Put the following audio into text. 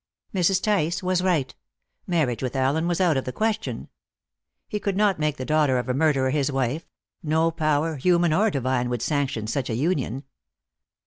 Mrs. Tice was right: marriage with Allen was out of the question. He could not make the daughter of a murderer his wife; no power, human or divine, would sanction such a union.